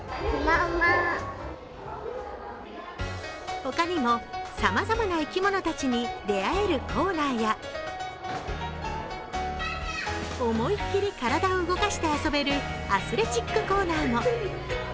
ほかにも、さまざまな生き物たちに出会えるコーナーや思いっきり体を動かして遊べるアスレチックコーナーも。